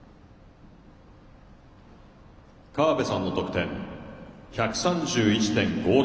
河辺さんの得点。１３１．５６。